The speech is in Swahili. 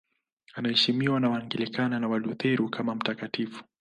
Anaheshimiwa na Waanglikana na Walutheri kama mtakatifu.